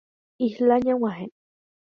Isla ñeg̃uahẽ.